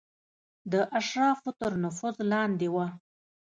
د اشرافو تر نفوذ لاندې وه.